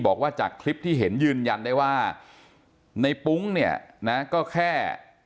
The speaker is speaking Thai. บอกว่าจากคลิปที่เห็นยืนยันได้ว่าในปุ๊งเนี่ยนะก็แค่